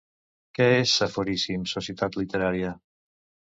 Què és Saforíssims Societat literària?